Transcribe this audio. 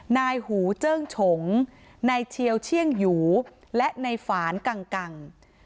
นายหูเจิ้งฉงนายเชียวเชี่ยงหยูและนายฝานกัง